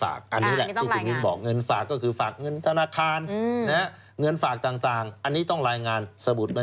อันนี้คือข้อที่หนึ่งนะ